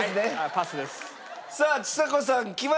パスです。